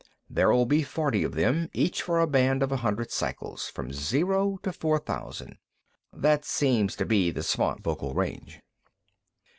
There'll be forty of them, each for a band of a hundred cycles, from zero to four thousand. That seems to be the Svant vocal range."